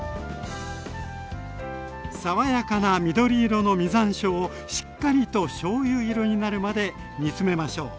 爽やかな緑色の実山椒をしっかりとしょうゆ色になるまで煮詰めましょう。